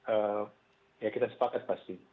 eee ya kita sepakat pasti